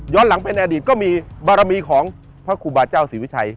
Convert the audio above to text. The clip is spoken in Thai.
หลังเป็นอดีตก็มีบารมีของพระครูบาเจ้าศรีวิชัย